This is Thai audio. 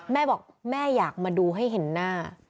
แม่บอกแม่อยากมาดูให้เห็นหน้า